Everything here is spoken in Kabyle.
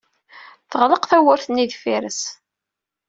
Teɣleq tawwurt-nni deffir-s.